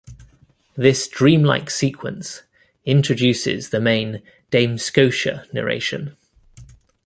This dream-like sequence introduces the main 'Dame Scotia' narration.